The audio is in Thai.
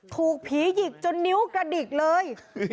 ถูกผีหยิกจนนิ้วกระดิกเลย